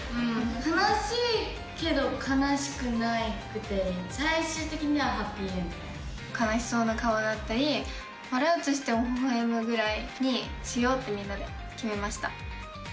悲しいけど、悲しくなくて、悲しそうな顔だったり、笑うとしてもほほえむぐらいにしようってみんなで決めました。